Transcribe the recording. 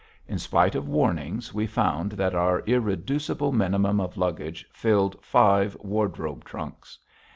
In spite of warnings, we found that our irreducible minimum of luggage filled five wardrobe trunks.